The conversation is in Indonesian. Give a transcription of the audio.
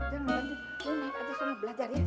lu naik aja sana belajar ya